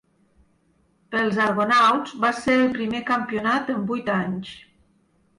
Pels Argonauts, va ser el primer campionat en vuit anys.